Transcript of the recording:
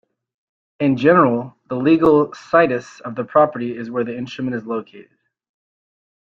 In general, the legal "situs" of the property is where the instrument is located.